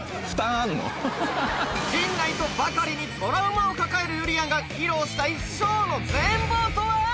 陣内とバカリにトラウマを抱えるゆりやんが披露したいショーの全貌とは？